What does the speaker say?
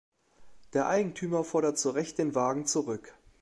Der Eigentümer fordert zu Recht den Wagen zurück.